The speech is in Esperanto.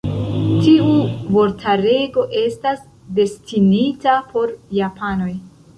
Tiu vortarego estas destinita por japanoj.